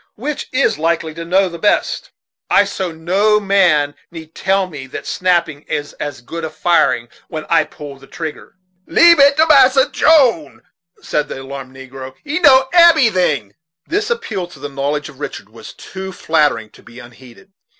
Which is likely to know the best? I say no man need tell me that snapping is as good as firing when I pull the trigger." "Leab it to Massa Jone," said the alarmed negro; "he know eberyting." This appeal to the knowledge of Richard was too flattering to be unheeded.